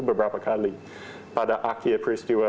beberapa kali pada akhir peristiwa